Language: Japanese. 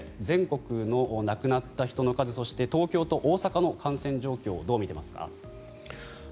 全国の亡くなった人の数そして、東京と大阪の感染状況をどう見ていますか？